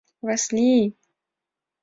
— Васлий?!